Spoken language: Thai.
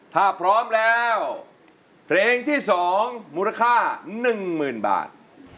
ถ้าพร้อมแล้วเพลงที่๒มูลค่า๑๐๐๐บาท